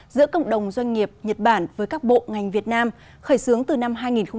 giữa cộng đồng doanh nghiệp nhật bản với các bộ ngành việt nam khởi xướng từ năm hai nghìn một mươi